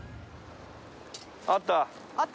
あった。